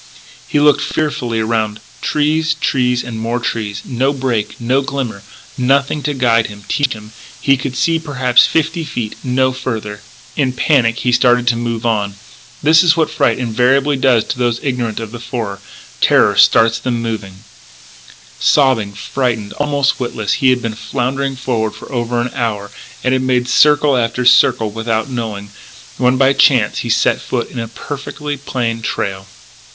He looked fearfully around: trees, trees, and more trees. No break, no glimmer, nothing to guide him, teach him. He could see, perhaps, fifty feet; no further. In panic he started to move on. That is what fright invariably does to those ignorant of the forest. Terror starts them moving. Sobbing, frightened almost witless, he had been floundering forward for over an hour, and had made circle after circle without knowing, when, by chance, he set foot in a perfectly plain trail.